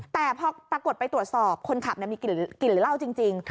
แต่พอปรากฏไปตรวจสอบคนขับมีกลิ่นหรือเหล้าจริง